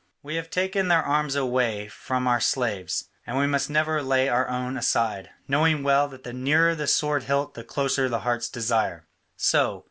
We have taken their arms away from our slaves, and we must never lay our own aside, knowing well that the nearer the sword hilt the closer the heart's desire. So.